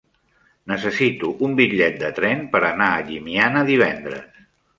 Necessito un bitllet de tren per anar a Llimiana divendres.